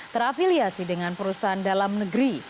terafiliasi dengan perusahaan dalam negeri